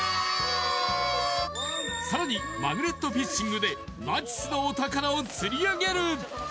さらにマグネットフィッシングでナチスのお宝を釣りあげる！